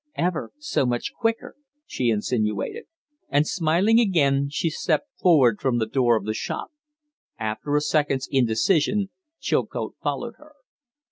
"Ever so much quicker," she insinuated; and, smiling again, she stepped forward from the door of the shop. After a second's indecision Chilcote followed her.